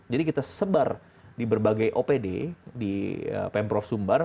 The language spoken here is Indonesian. jadi kita sebar di berbagai opd di pemprov sumbar